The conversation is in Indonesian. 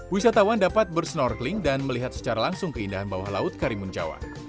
wisatawan dapat bersnorkeling dan melihat secara langsung keindahan bawah laut karimun jawa